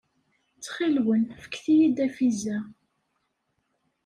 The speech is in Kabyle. Ttxil-wen, fket-iyi-d afiza.